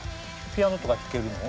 ピアノとか弾けるの？